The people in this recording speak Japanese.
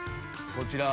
こちら。